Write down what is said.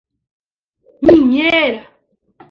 Ninheira